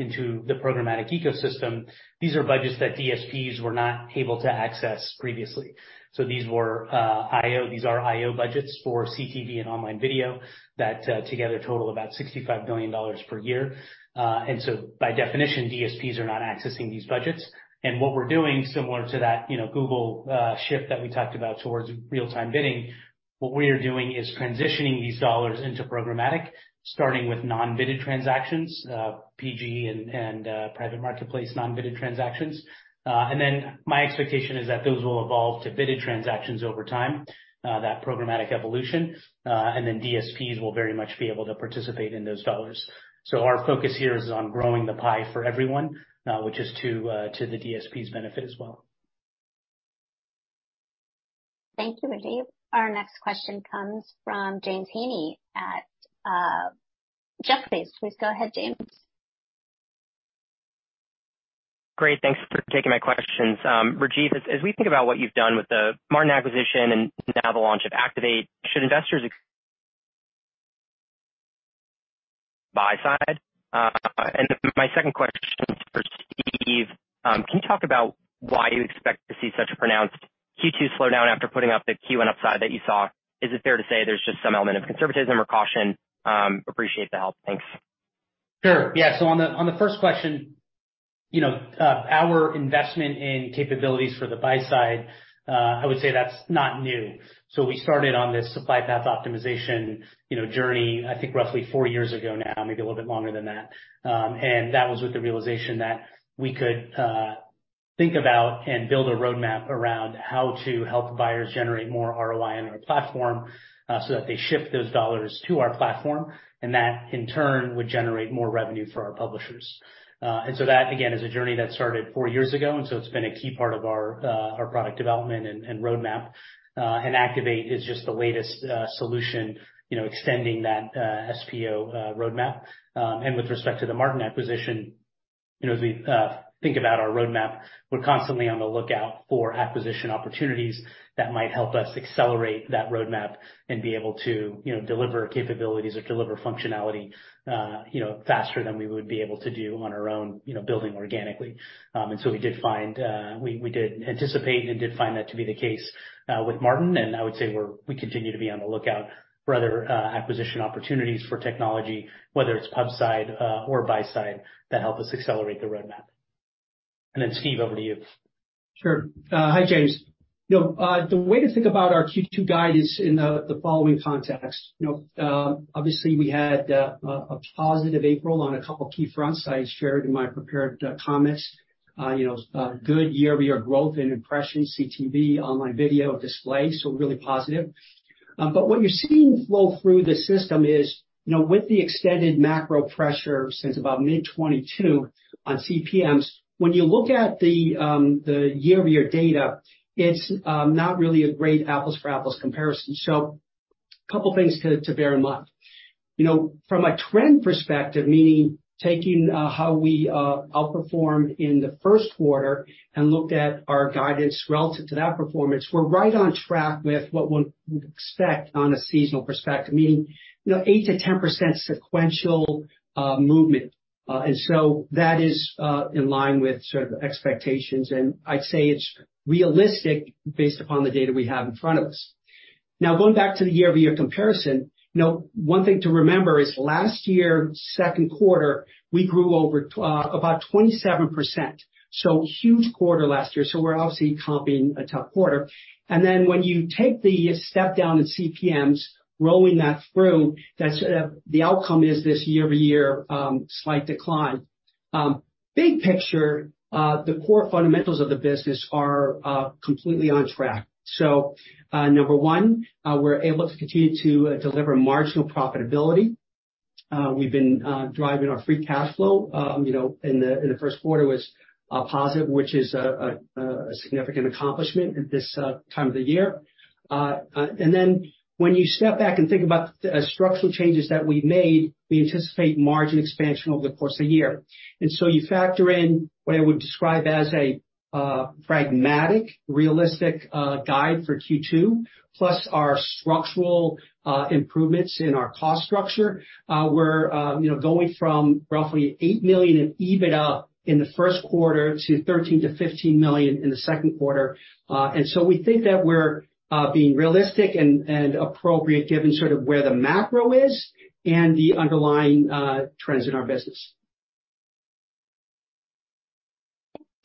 the programmatic ecosystem, these are budgets that DSPs were not able to access previously. These were IO budgets for CTV and online video that together total about $65 billion per year. By definition, DSPs are not accessing these budgets. What we're doing similar to that, you know, Google shift that we talked about towards real-time bidding, what we are doing is transitioning these dollars into programmatic, starting with non-bidded transactions, PG and private marketplace non-bidded transactions. My expectation is that those will evolve to bidded transactions over time, that programmatic evolution, and then DSPs will very much be able to participate in those dollars. Our focus here is on growing the pie for everyone, which is to the DSP's benefit as well. Thank you, Rajeev. Our next question comes from James Heaney at Jefferies. Please go ahead, James. Great. Thanks for taking my questions. Rajeev, as we think about what you've done with the Martin acquisition and now the launch of Activate, should investors buy side? My second question for Steve, can you talk about why you expect to see such a pronounced Q2 slowdown after putting up the Q1 upside that you saw? Is it fair to say there's just some element of conservatism or caution? Appreciate the help. Thanks. Sure. Yeah. On the, on the first question, you know, our investment in capabilities for the buy side, I would say that's not new. We started on this supply path optimization, you know, journey, I think roughly four years ago now, maybe a little bit longer than that. That was with the realization that we could think about and build a roadmap around how to help buyers generate more ROI on our platform, so that they shift those $dollars to our platform, and that in turn would generate more revenue for our publishers. That again is a journey that started four years ago, and so it's been a key part of our product development and roadmap. Activate is just the latest solution, you know, extending that SPO roadmap. With respect to the Martin acquisition, you know, as we think about our roadmap, we're constantly on the lookout for acquisition opportunities that might help us accelerate that roadmap and be able to, you know, deliver capabilities or deliver functionality, you know, faster than we would be able to do on our own, you know, building organically. We did find, we did anticipate and did find that to be the case with Martin, and I would say we continue to be on the lookout for other acquisition opportunities for technology, whether it's pub side or buy side, that help us accelerate the roadmap. Steve, over to you. Sure. Hi, James. You know, the way to think about our Q2 guide is in the following context. You know, obviously we had a positive April on a couple key fronts I shared in my prepared comments. You know, good year-over-year growth in impressions, CTV, online video, display, so really positive. What you're seeing flow through the system is, you know, with the extended macro pressure since about mid 2022 on CPMs, when you look at the year-over-year data, it's not really a great apples for apples comparison. A couple of things to bear in mind. You know, from a trend perspective, meaning taking how we outperformed in the first quarter and looked at our guidance relative to that performance, we're right on track with what one would expect on a seasonal perspective, meaning, you know, 8%-10% sequential movement. That is in line with sort of expectations, and I'd say it's realistic based upon the data we have in front of us. Now, going back to the year-over-year comparison, you know, one thing to remember is last year, second quarter, we grew about 27%, so huge quarter last year, so we're obviously comping a tough quarter. When you take the step down in CPMs, rolling that through, that's the outcome is this year-over-year slight decline. Big picture, the core fundamentals of the business are completely on track. Number one, we're able to continue to deliver marginal profitability. We've been driving our free cash flow. You know, in the first quarter was positive, which is a significant accomplishment at this time of the year. When you step back and think about the structural changes that we've made, we anticipate margin expansion over the course of the year. You factor in what I would describe as a pragmatic, realistic guide for Q2, plus our structural improvements in our cost structure, we're, you know, going from roughly $8 million in EBITDA in the first quarter to $13 million-$15 million in the second quarter. We think that we're being realistic and appropriate given sort of where the macro is and the underlying trends in our business.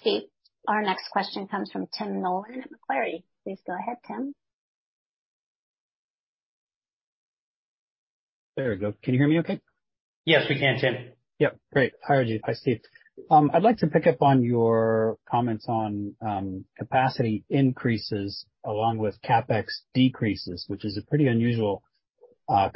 Okay. Our next question comes from Tim Nollen at Macquarie. Please go ahead, Tim. There we go. Can you hear me okay? Yes, we can, Tim. Yep, great. Hi, Rajeev. Hi, Steve. I'd like to pick up on your comments on capacity increases along with CapEx decreases, which is a pretty unusual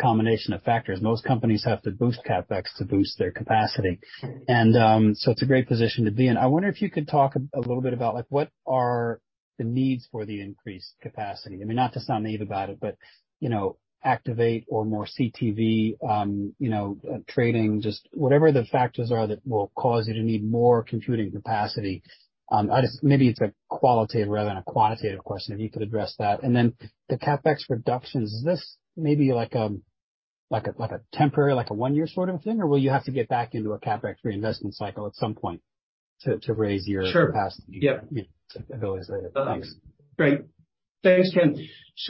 combination of factors. Most companies have to boost CapEx to boost their capacity. It's a great position to be in. I wonder if you could talk a little bit about, like, what are the needs for the increased capacity? I mean, not to sound naive about it, but, you know, Activate or more CTV, you know, trading, just whatever the factors are that will cause you to need more computing capacity. Maybe it's a qualitative rather than a quantitative question, if you could address that. The CapEx reductions, is this maybe like a temporary, like a one-year sort of thing? Will you have to get back into a CapEx reinvestment cycle at some point to raise? Sure. -capacity? Yep. You know, to utilize the items. Great. Thanks, Tim.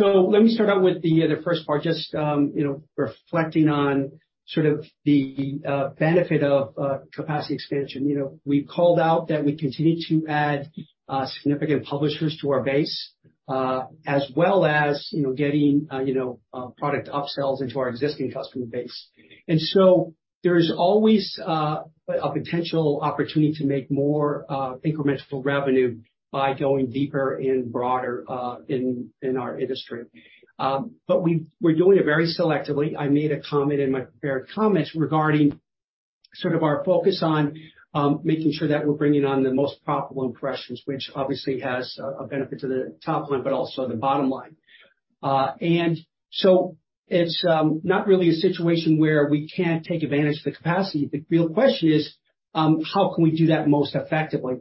Let me start out with the first part, just, you know, reflecting on sort of the benefit of capacity expansion. You know, we called out that we continue to add significant publishers to our base, as well as, you know, getting, you know, product upsells into our existing customer base. There's always a potential opportunity to make more incremental revenue by going deeper and broader in our industry. We're doing it very selectively. I made a comment in my prepared comments regarding sort of our focus on making sure that we're bringing on the most profitable impressions, which obviously has a benefit to the top line, but also the bottom line. It's not really a situation where we can't take advantage of the capacity. The real question is how can we do that most effectively?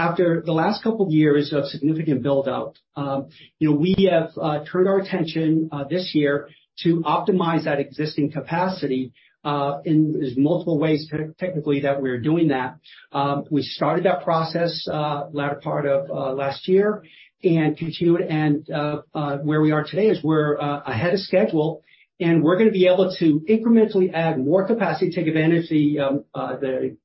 After the last couple of years of significant build-out, you know, we have turned our attention this year to optimize that existing capacity. There's multiple ways technically that we are doing that. We started that process latter part of last year and continued. Where we are today is we're ahead of schedule, and we're gonna be able to incrementally add more capacity to take advantage of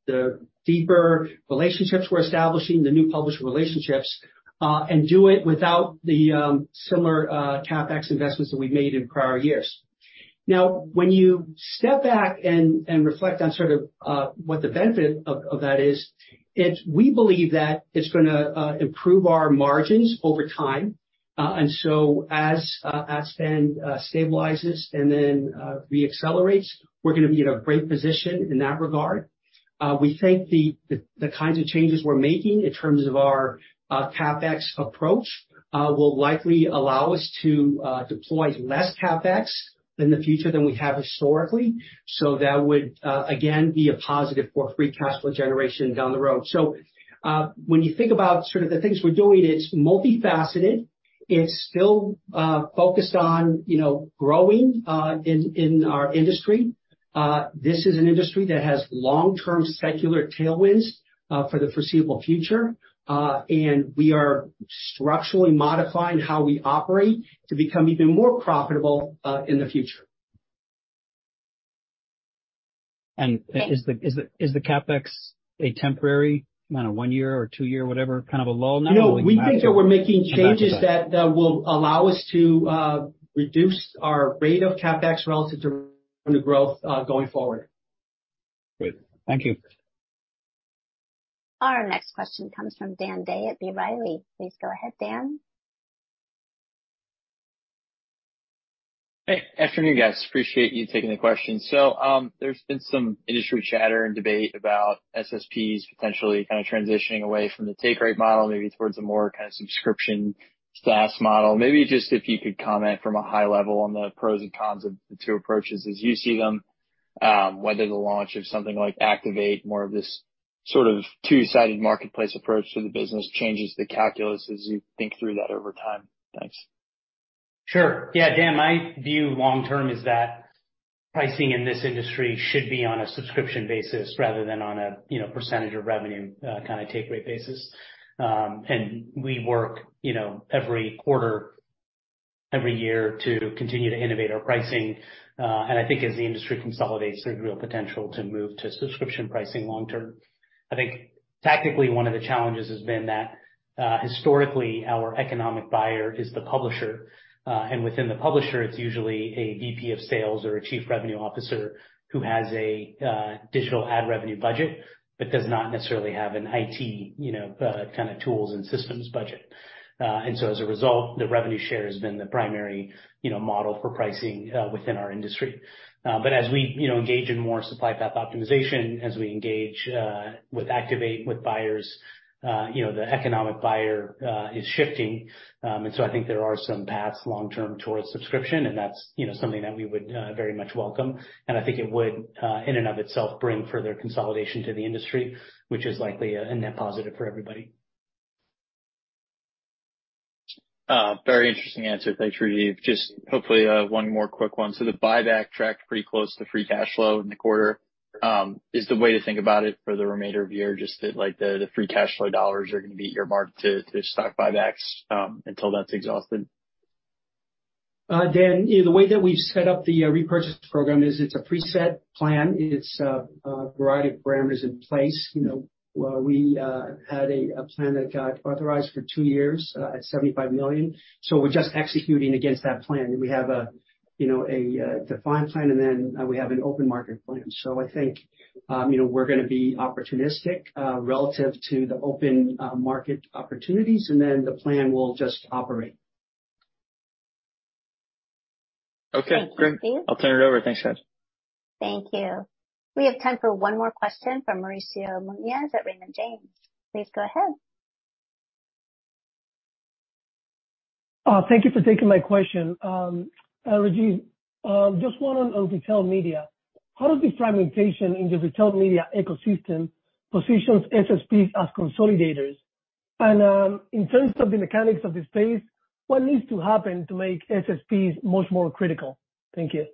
the deeper relationships we're establishing, the new publisher relationships, and do it without the similar CapEx investments that we've made in prior years. When you step back and reflect on sort of what the benefit of that is, it's we believe that it's gonna improve our margins over time. As ad spend stabilizes and then reaccelerates, we're gonna be in a great position in that regard. We think the kinds of changes we're making in terms of our CapEx approach will likely allow us to deploy less CapEx in the future than we have historically. That would again, be a positive for free cash flow generation down the road. When you think about sort of the things we're doing, it's multifaceted. It's still focused on, you know, growing in our industry. This is an industry that has long-term secular tailwinds for the foreseeable future. We are structurally modifying how we operate to become even more profitable in the future. Is the CapEx a temporary, I don't know, one-year or two-year whatever kind of a lull now? No. We think that we're making changes that will allow us to reduce our rate of CapEx relative to revenue growth going forward. Great. Thank you. Our next question comes from Dan Day at B. Riley. Please go ahead, Dan. Hey, afternoon guys, appreciate you taking the questions. There's been some industry chatter and debate about SSPs potentially kind of transitioning away from the take rate model, maybe towards a more kind of subscription SaaS model. Maybe just if you could comment from a high level on the pros and cons of the two approaches as you see them, whether the launch of something like Activate, more of this sort of two-sided marketplace approach to the business changes the calculus as you think through that over time? Thanks. Sure. Yeah. Dan, my view long term is that pricing in this industry should be on a subscription basis rather than on a, you know, percentage of revenue, kinda take rate basis. We work, you know, every quarter, every year to continue to innovate our pricing. I think as the industry consolidates, there's real potential to move to subscription pricing long term. I think tactically one of the challenges has been that historically, our economic buyer is the publisher. Within the publisher, it's usually a VP of sales or a chief revenue officer who has a digital ad revenue budget, but does not necessarily have an IT, you know, kind of tools and systems budget. As a result, the revenue share has been the primary, you know, model for pricing within our industry. As we, you know, engage in more supply path optimization, as we engage with Activate, with buyers. You know, the economic buyer is shifting. I think there are some paths long term towards subscription, and that's, you know, something that we would very much welcome. I think it would in and of itself bring further consolidation to the industry, which is likely a net positive for everybody. Very interesting answer. Thanks, Rajeev. Just hopefully, one more quick one. The buyback tracked pretty close to free cash flow in the quarter. Is the way to think about it for the remainder of the year just that, like, the free cash flow dollars are gonna be your mark to stock buybacks until that's exhausted? Dan, you know, the way that we've set up the repurchase program is it's a preset plan. It's a variety of parameters in place. You know, we had a plan that got authorized for two years at $75 million. We're just executing against that plan. We have a, you know, a defined plan, and then we have an open market plan. I think, you know, we're gonna be opportunistic relative to the open market opportunities, and then the plan will just operate. Okay. Great. Thank you, Dan. I'll turn it over. Thanks, guys. Thank you. We have time for one more question from Mauricio Munoz at Raymond James. Please go ahead. Thank you for taking my question. Rajeev, just one on retail media. How does the fragmentation in the retail media ecosystem positions SSPs as consolidators? In terms of the mechanics of the space, what needs to happen to make SSPs much more critical? Thank you.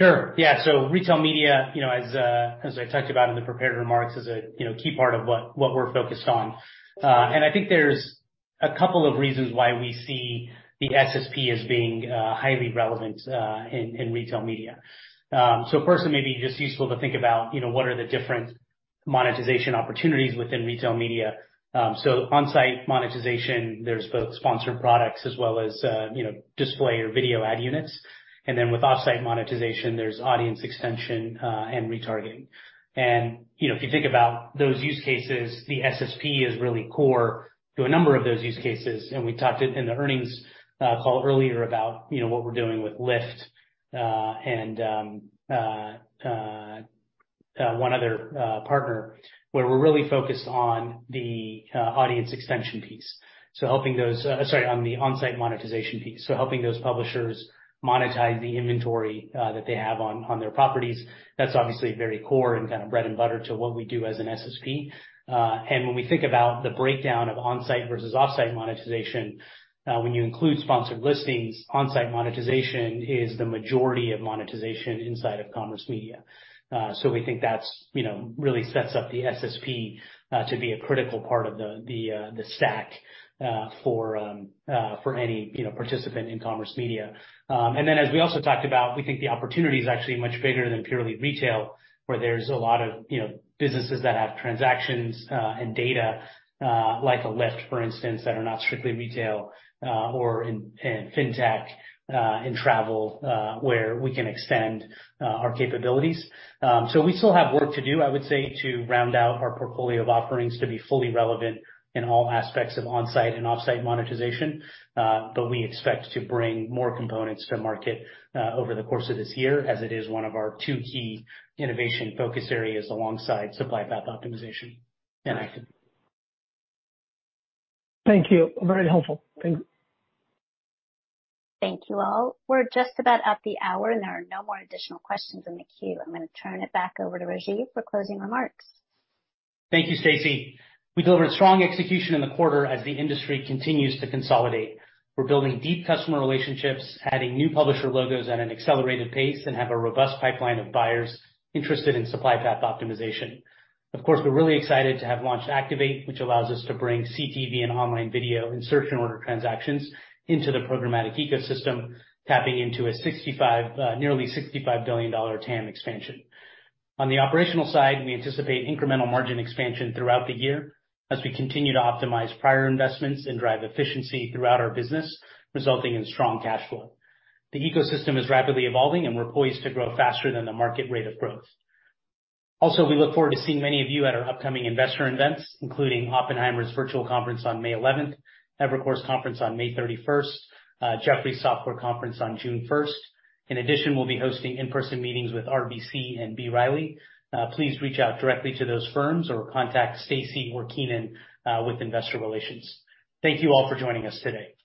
Sure, yeah. Retail media, you know, as I talked about in the prepared remarks, is a, you know, key part of what we're focused on. I think there's a couple of reasons why we see the SSP as being highly relevant in retail media. First it may be just useful to think about, you know, what are the different monetization opportunities within retail media. On-site monetization, there's both sponsored products as well as, you know, display or video ad units. Then with off-site monetization, there's audience extension and retargeting. You know, if you think about those use cases, the SSP is really core to a number of those use cases. We talked in the earnings call earlier about, you know, what we're doing with Lyft and one other partner, where we're really focused on the audience extension piece. Helping those, sorry, on the on-site monetization piece. Helping those publishers monetize the inventory that they have on their properties, that's obviously very core and kind of bread and butter to what we do as an SSP. When we think about the breakdown of on-site versus off-site monetization, when you include sponsored listings, on-site monetization is the majority of monetization inside of commerce media. We think that's, you know, really sets up the SSP to be a critical part of the stack for any, you know, participant in commerce media. As we also talked about, we think the opportunity is actually much bigger than purely retail, where there's a lot of, you know, businesses that have transactions, and data, like a Lyft, for instance, that are not strictly retail, or in fintech, in travel, where we can extend our capabilities. We still have work to do, I would say, to round out our portfolio of offerings to be fully relevant in all aspects of on-site and off-site monetization. We expect to bring more components to market, over the course of this year, as it is one of our two key innovation focus areas alongside supply path optimization and Activate. Thank you. Very helpful. Thank you. Thank you all. We're just about at the hour, and there are no more additional questions in the queue. I'm gonna turn it back over to Rajiv for closing remarks. Thank you, Stacy. We delivered strong execution in the quarter as the industry continues to consolidate. We're building deep customer relationships, adding new publisher logos at an accelerated pace, and have a robust pipeline of buyers interested in supply path optimization. Of course, we're really excited to have launched Activate, which allows us to bring CTV and online video and search and order transactions into the programmatic ecosystem, tapping into a nearly $65 billion TAM expansion. On the operational side, we anticipate incremental margin expansion throughout the year as we continue to optimize prior investments and drive efficiency throughout our business, resulting in strong cash flow. The ecosystem is rapidly evolving, and we're poised to grow faster than the market rate of growth. We look forward to seeing many of you at our upcoming investor events, including Oppenheimer's virtual conference on May eleventh, Evercore's conference on May thirty-first, Jefferies software conference on June first. In addition, we'll be hosting in-person meetings with RBC and B. Riley. Please reach out directly to those firms or contact Stacy or Keenan with investor relations. Thank you all for joining us today.